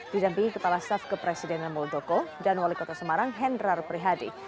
didampingi kepala staf kepresidenan muldoko dan wali kota semarang hendrar prihadi